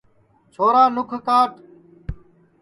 چھورا نُکھ کاٹ